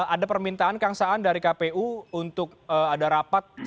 ada permintaan kang saan dari kpu untuk ada rapat